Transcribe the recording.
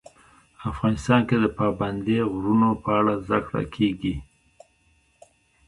افغانستان کې د پابندی غرونه په اړه زده کړه کېږي.